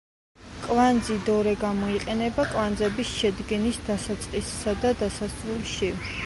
კვანძი დორე გამოიყენება კვანძების შედგენის დასაწყისსა და დასასრულში.